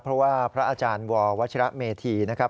เพราะว่าพระอาจารย์ววัชิระเมธีนะครับ